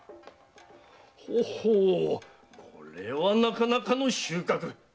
ほほうこれはなかなかの収穫。